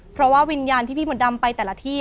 เพราะว่าวิญญาณที่พี่มดดำไปแต่ละที่